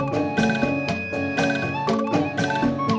masih ada yang mau berbicara